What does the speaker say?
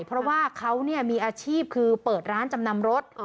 เพราะว่าเขามีอาชีพคือเปิดร้านจำนำรถ